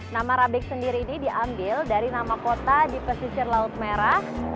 nama rabek sendiri ini diambil dari nama kota di pesisir laut merah